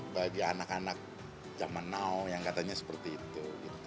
bagi anak anak zaman now yang katanya seperti itu